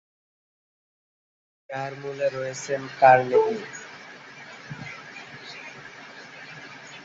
যার মূলে রয়েছেন কার্নেগী।